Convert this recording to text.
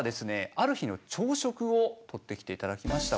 ある日の朝食を撮ってきていただきました。